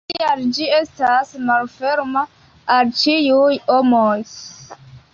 Tial ĝi estas malferma al ĉiuj homoj.